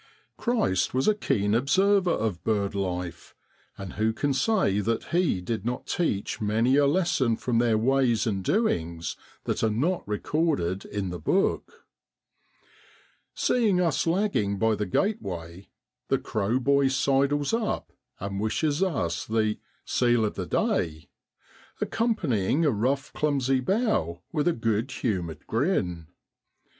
Christ was a keen observer of bird life, and who can say that He did not teach many a lesson from their ways and doings that are not recorded in the Book ? Seeing us lagging by the gateway the crow boy sidles up and wishes us the 1 seal of the day,' accompanying a rough clumsy bow with a good humoured grin.